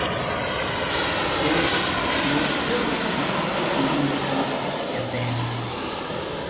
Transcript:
Klose lobte rückblickend die Musikalität der Band.